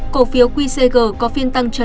cổ phiếu qcg có phiên dịch